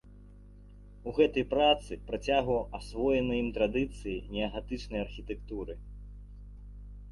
У гэтай працы працягваў асвоеныя ім традыцыі неагатычнай архітэктуры.